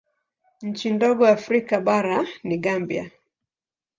Nchi ndogo Afrika bara ni Gambia.